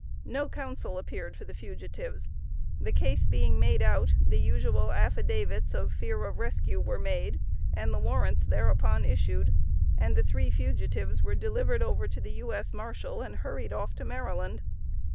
No counsel appeared for the fugitives. The case being made out, the usual affidavits of fear of rescue were made, and the warrants thereupon issued, and the three fugitives were delivered over to the U.S. Marshal, and hurried off to Maryland.